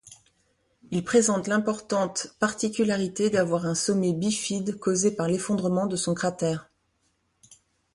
Il présente l'importante particularité d'avoir un sommet bifide causé par l'effondrement de son cratère.